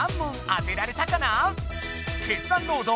「決断ロード！」